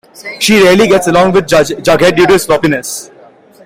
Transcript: She rarely gets along with Jughead due to his sloppiness.